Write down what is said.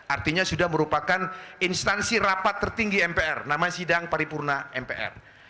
artinya sudah merupakan instansi rapat tertinggi mpr namanya sidang paripurna mpr